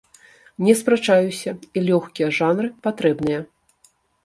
Не спрачаюся, і лёгкія жанры патрэбныя.